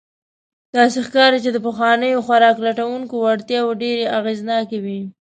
داسې ښکاري، چې د پخوانیو خوراک لټونکو وړتیاوې ډېر اغېزناکې وې.